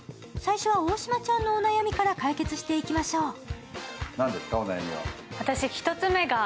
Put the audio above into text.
最初は大島ちゃんのお悩みから解決していきましょう。